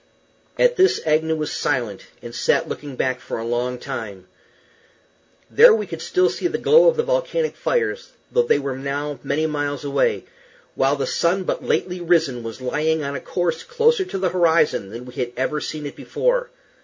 At this Agnew was silent, and sat looking back for a long time. There we could still see the glow of the volcanic fires, though they were now many miles away; while the sun, but lately risen, was lying on a course closer to the horizon than we had ever seen it before.